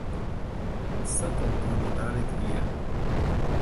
Santo Antônio da Alegria